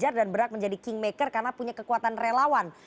karena dia bisa berangkat dan menjadi king maker karena punya kekuatan relawan